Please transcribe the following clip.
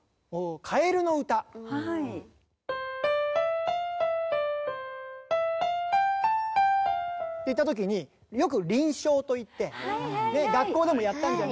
『かえるのうた』っていった時によく輪唱といって学校でもやったんじゃ。